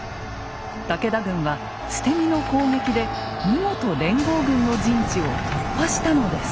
武田軍は捨て身の攻撃で見事連合軍の陣地を突破したのです。